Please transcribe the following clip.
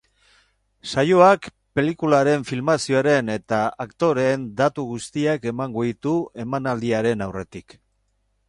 Saioak pelikularen filmazioaren eta aktoreen datu guztiak emango ditu emanaldiaren aurretik.